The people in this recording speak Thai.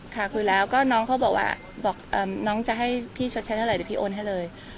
คุยแล้วก็น้องเขาบอกว่าบอกน้องจะให้พี่ชดใช้เท่าไหรเดี๋ยวพี่โอนให้เลย